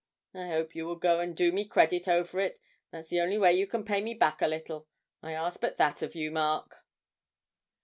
I hope you will go and do me credit over it; that's the only way you can pay me back a little I ask but that of you, Mark.'